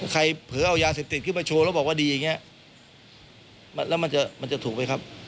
เผลอเอายาเสพติดขึ้นมาโชว์แล้วบอกว่าดีอย่างนี้แล้วมันจะมันจะถูกไหมครับ